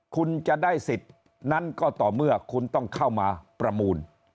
คุณจะได้สิทธิ์นั้นก็ต่อเมื่อคุณต้องเข้ามาประมูล